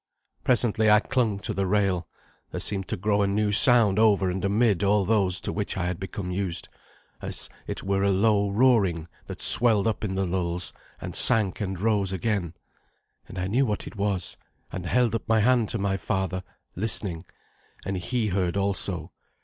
Presently, as I clung to the rail, there seemed to grow a new sound over and amid all those to which I had become used as it were a low roaring that swelled up in the lulls, and sank and rose again. And I knew what it was, and held up my hand to my father, listening, and he heard also.